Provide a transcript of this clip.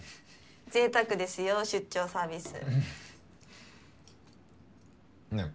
贅沢ですよ出張サービス。ねぇ